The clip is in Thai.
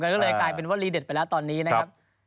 ก็เลยกลายเป็นว่าลีเด็ดไปแล้วตอนนี้นะครับ